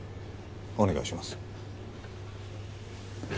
お願いします